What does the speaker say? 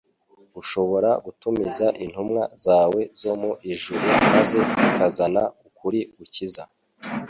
Ushobora gutumiza intumwa zawe zo mu ijuru maze zikazana ukuri gukiza.